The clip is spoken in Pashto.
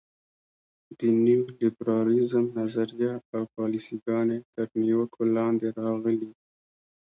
د نیولیبرالیزم نظریه او پالیسي ګانې تر نیوکو لاندې راغلي.